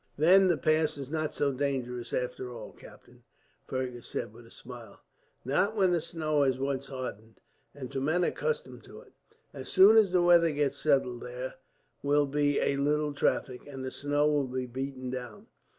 "Then the pass is not so dangerous after all, captain," Fergus said with a smile. "Not when the snow has once hardened, and to men accustomed to it. As soon as the weather gets settled there will be a little traffic, and the snow will be beaten down.